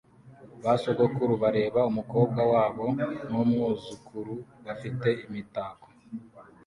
Ba sogokuru bareba umukobwa wabo numwuzukuruza bafite imitako